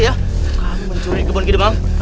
kau mencuri kebun kidemally